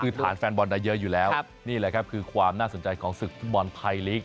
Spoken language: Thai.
คือฐานแฟนบอลได้เยอะอยู่แล้วนี่แหละครับคือความน่าสนใจของศึกฟุตบอลไทยลีก